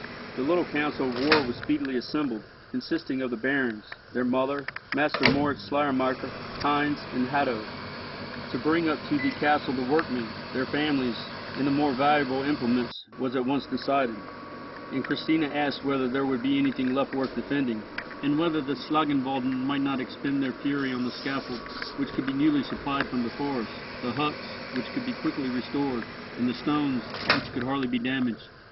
The little council of war was speedily assembled, consisting of the barons, their mother, Master Moritz Schleiermacher, Heinz, and Hatto. To bring up to the castle the workmen, their families, and the more valuable implements, was at once decided; and Christina asked whether there would be anything left worth defending, and whether the Schlangenwalden might not expend their fury on the scaffold, which could be newly supplied from the forest, the huts, which could be quickly restored, and the stones, which could hardly be damaged.